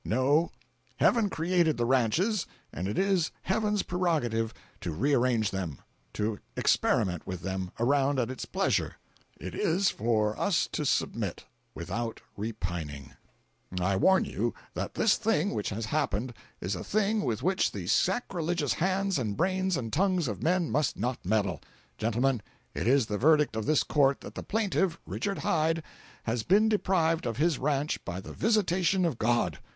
No—Heaven created the ranches and it is Heaven's prerogative to rearrange them, to experiment with them around at its pleasure. It is for us to submit, without repining. 246.jpg (92K) "I warn you that this thing which has happened is a thing with which the sacrilegious hands and brains and tongues of men must not meddle. Gentlemen, it is the verdict of this court that the plaintiff, Richard Hyde, has been deprived of his ranch by the visitation of God!